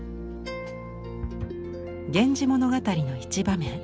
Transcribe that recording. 「源氏物語」の一場面